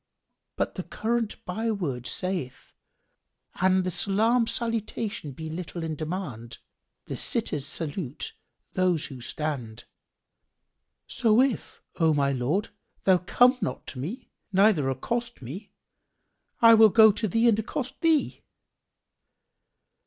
But the current byword saith, 'An the salam salutation be little in demand, the sitters salute those who stand."[FN#4] So if, O my lord, thou come not to me neither accost me, I will go to thee and accost thee."